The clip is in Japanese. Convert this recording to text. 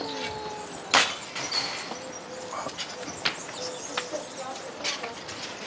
あっ。